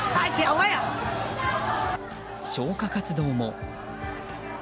消火活動も。